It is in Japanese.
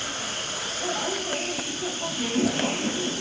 おい歩く音楽教科書って呼んでたの？